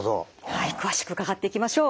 はい詳しく伺っていきましょう。